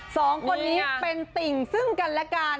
สองคนนี้เป็นติ่งซึ่งกันและกัน